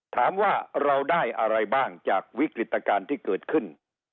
ถามว่าเราได้อะไรบ้างจากวิกฤตการณ์ที่เกิดขึ้น